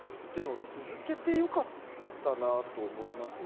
続けてよかったなと思いますね。